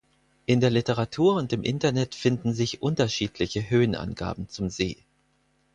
In der Literatur und im Internet finden sich unterschiedliche Höhenangaben zum See.